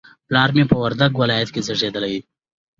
پلار مې په وردګ ولایت کې زیږدلی